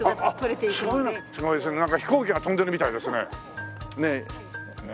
すごいですねなんか飛行機が飛んでるみたいですね。